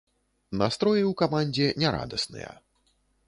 Настроі ў камандзе нярадасныя.